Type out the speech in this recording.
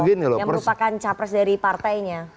yang merupakan capres dari partainya